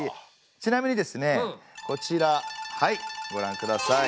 ちなみにですねこちらはいごらんください。